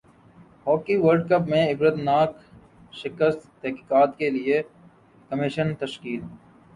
hockey world cup میں عبرتناک شکست تحقیقات کیلئے کمیشن تشکیل